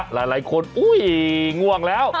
หลายคนอุ้ยง่วงแล้ว